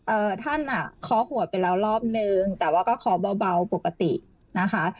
ท่านอ่ะเคาะหัวไปแล้วรอบนึงแต่ว่าก็ขอเบาเบาปกตินะคะ